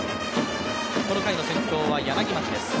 この回の先頭は柳町です。